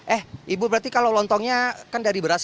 eh ibu berarti kalau lontongnya kan dari beras